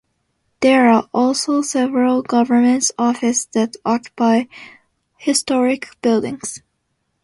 There are also several government offices that occupy historic buildings.